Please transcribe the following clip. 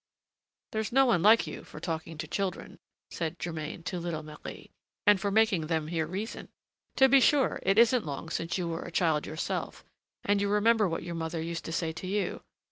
"There's no one like you for talking to children," said Germain to little Marie, "and for making them hear reason. To be sure, it isn't long since you were a child yourself, and you remember what your mother used to say to you.